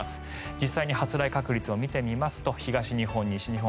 実際に発雷確率を見てみますと東日本、西日本。